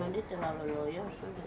karena dia terlalu loyong sudah